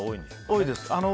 多いです。